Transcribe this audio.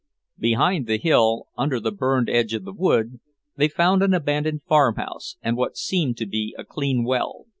Behind the hill, under the burned edge of the wood, they found an abandoned farmhouse and what seemed to be a clean well.